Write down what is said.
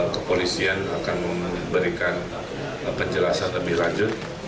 kepolisian akan memberikan penjelasan lebih lanjut